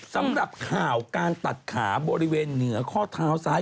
สำหรับข่าวการตัดขาบริเวณเหนือข้อเท้าซ้าย